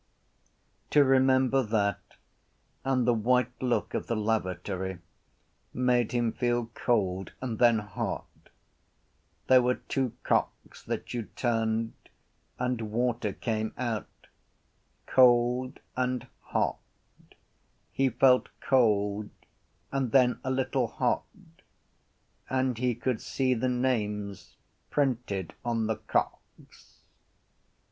To remember that and the white look of the lavatory made him feel cold and then hot. There were two cocks that you turned and water came out: cold and hot. He felt cold and then a little hot: and he could see the names printed on the cocks.